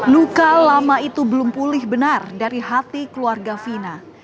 luka lama itu belum pulih benar dari hati keluarga fina